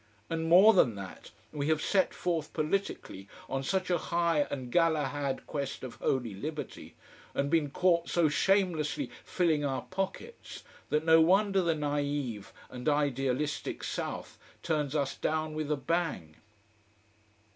And more than that, we have set forth, politically, on such a high and Galahad quest of holy liberty, and been caught so shamelessly filling our pockets, that no wonder the naïve and idealistic south turns us down with a bang.